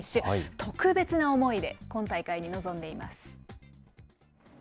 特別な思いで、今大会に臨んでいます。